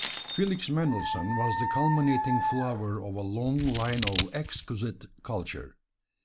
Felix Mendelssohn was the culminating flower of a long line of exquisite culture.